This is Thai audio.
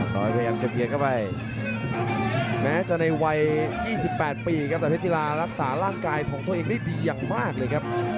พยายามจะเบียดเข้าไปแม้จะในวัย๒๘ปีครับแต่เพชรกีฬารักษาร่างกายของตัวเองได้ดีอย่างมากเลยครับ